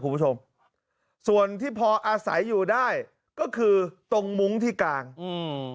คุณผู้ชมส่วนที่พออาศัยอยู่ได้ก็คือตรงมุ้งที่กลางอืม